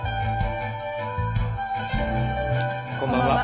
こんばんは。